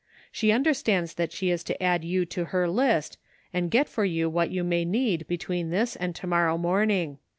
She understands that she is to add you to her list, and get for you what you may need between this and to morrow morning.